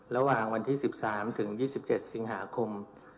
ระหว่างวันที่๑๓ถึง๒๗สิงหาคม